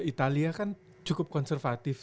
italia kan cukup konservatif